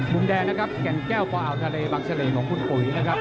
มุมแดงนะครับแก่นแก้วป่าอ่าวทะเลบังเสลงของคุณปุ๋ยนะครับ